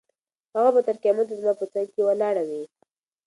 هغه به تر قیامته زما په څنګ کې ولاړه وي.